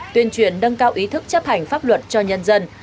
tuyên truyền nâng cao ý thức chấp hành pháp luật cho nhân dân